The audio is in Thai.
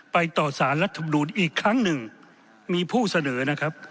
ไปต่อสารรัฐมนูลอีกครั้งหนึ่งมีผู้เสนอนะครับ